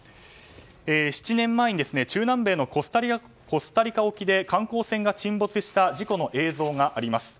７年前に中南米のコスタリカ沖で観光船が沈没した事故の映像があります。